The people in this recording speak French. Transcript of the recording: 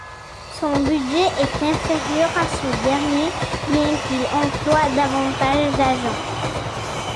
Son budget est inférieur à ce dernier bien qu’il emploie davantage d’agents.